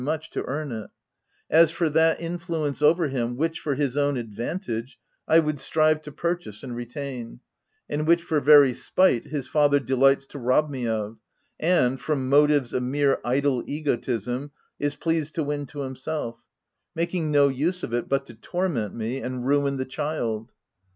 44 THE TENANT to earn it,) as for that influence over him which, for his own advantage, I would strive to pur chase and retain, and which for very spite his father delights to rob me of, and, from motives of mere idle egotism, is pleased to win to him self; making no use of it but to torment me, and ruin the child.